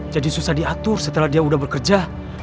jadi susah diatur setelah dia udah bekerja